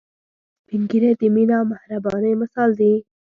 سپین ږیری د مينه او مهربانۍ مثال دي